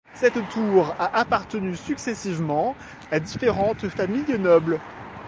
Cette tour a appartenu successivement à différentes familles nobles.